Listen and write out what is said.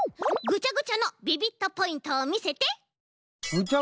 ぐちゃぐちゃのビビットポイント？